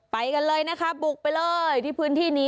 ไปกันเลยนะคะบุกไปเลยที่พื้นที่นี้